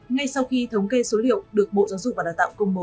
ngay sau khi thống kê số liệu được bộ giáo dục và đào tạo công bố